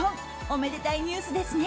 おめでたいニュースですね。